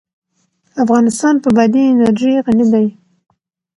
افغانستان په بادي انرژي غني دی.